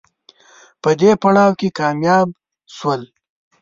په دې پړاو کې کامیاب شول